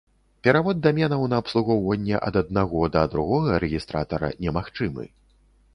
Перавод даменаў на абслугоўванне ад аднаго да другога рэгістратара немагчымы.